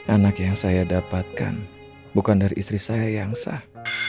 anak yang saya dapatkan bukan dari istri saya yang sah